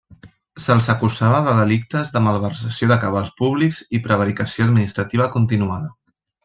Se'ls acusava de delictes de malversació de cabals públics i prevaricació administrativa continuada.